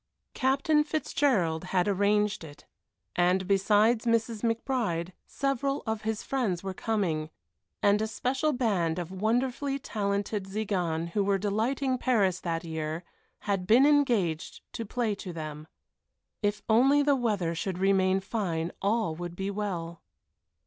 Captain Fitzgerald had arranged it, and besides Mrs. McBride several of his friends were coming, and a special band of wonderfully talented Tziganes, who were delighting Paris that year, had been engaged to play to them. If only the weather should remain fine all would be well.